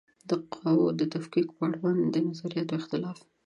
د قواوو د تفکیک په اړوند د نظریاتو اختلاف